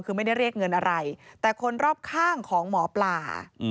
คือไม่ได้เรียกเงินอะไรแต่คนรอบข้างของหมอปลา